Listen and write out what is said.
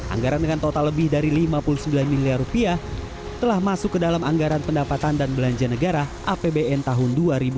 anggaran dengan total lebih dari lima puluh sembilan miliar rupiah telah masuk ke dalam anggaran pendapatan dan belanja negara apbn tahun dua ribu dua puluh